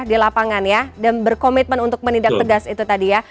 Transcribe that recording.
di lapangan ya dan berkomitmen untuk menindak tegas itu tadi ya